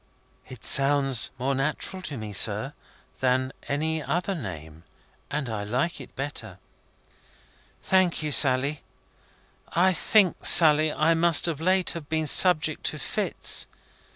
"It sounds more natural to me, sir, than any other name, and I like it better." "Thank you, Sally. I think, Sally, I must of late have been subject to fits.